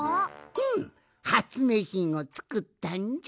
ふむはつめいひんをつくったんじゃ。